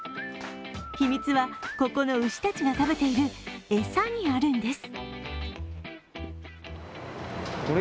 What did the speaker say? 秘密は、ここの牛たちが食べている餌にあるんです。